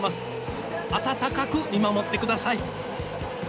温かく見守って下さい。